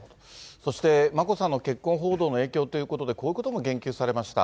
そして眞子さんの結婚報道の影響ということで、こういうことも言及されました。